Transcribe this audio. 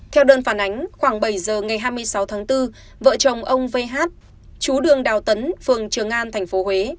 theo đơn phản ánh khoảng bảy giờ ngày hai mươi sáu tháng bốn vợ chồng ông vh chú đường đào tấn phường trường an tp huế